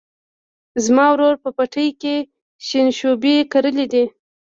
زما ورور په پټي کې شینشوبي کرلي دي.